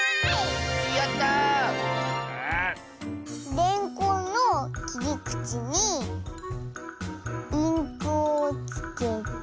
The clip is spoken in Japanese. レンコンのきりくちにインクをつけて。